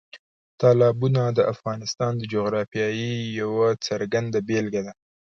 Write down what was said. تالابونه د افغانستان د جغرافیې یوه څرګنده بېلګه ده.